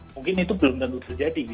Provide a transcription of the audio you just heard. mungkin itu belum tentu terjadi